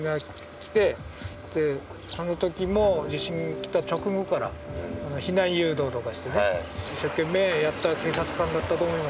でそのときも地震が来た直後から避難誘導とかしてね一生懸命やった警察官だったと思います。